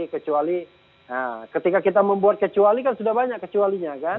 kecuali ketika kita membuat kecuali kan sudah banyak kecualinya kan